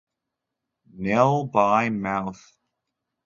Nil by mouth.